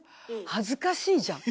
恥ずかしいじゃん。